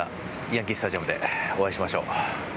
ヤンキー・スタジアムでお会いしましょう。